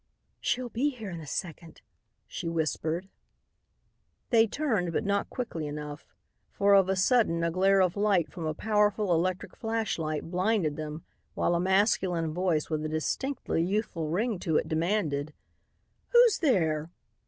"She'll be here in a second," she whispered. They turned, but not quickly enough, for of a sudden a glare of light from a powerful electric flashlight blinded them while a masculine voice with a distinctly youthful ring to it demanded: "Who's there?"